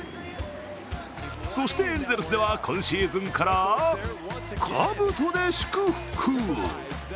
そして、エンゼルスでは今シーズンからかぶとで祝福。